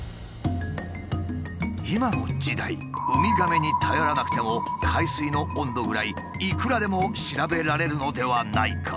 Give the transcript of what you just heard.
今の時代ウミガメに頼らなくても海水の温度ぐらいいくらでも調べられるのではないか？